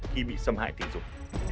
khi bị xâm hại tình dục